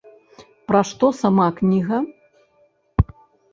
Пра што сама кніга?